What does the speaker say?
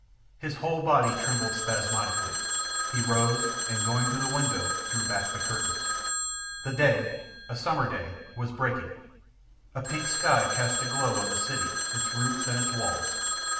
His whole body trembled spasmodically; he rose, and, going to the window, drew back the curtains. The day a summer day was breaking. The pink sky cast a glow on the city, its roofs, and its walls.